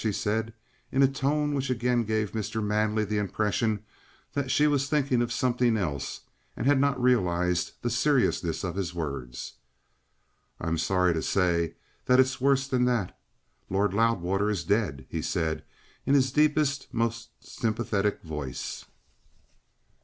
she said, in a tone which again gave Mr. Manley the impression that she was thinking of something else and had not realized the seriousness of his words. "I'm sorry to say that it's worse than that. Lord Loudwater is dead," he said, in his deepest, most sympathetic voice.